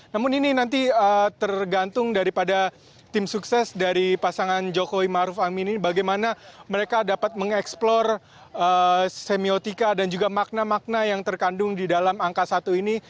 namun ini nanti tergantung daripada tim sukses dari pasangan jokowi maruf amin ini bagaimana mereka dapat mengeksplor semiotika dan juga makna makna yang terkandung di dalam angka satu ini